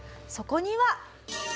そこには。